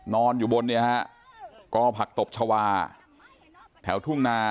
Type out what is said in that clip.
นอนอยู่บนเนี่ยฮะกอผักตบชาวาแถวทุ่งนา